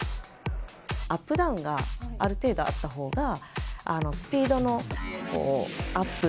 アップダウンがある程度あった方がスピードのアップ